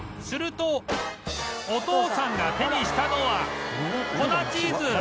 するとお父さんが手にしたのは粉チーズ